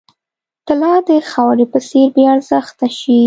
طلا د خاورې په څېر بې ارزښته شي.